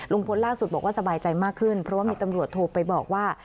ล่าสุดบอกว่าสบายใจมากขึ้นเพราะว่ามีตำรวจโทรไปบอกว่า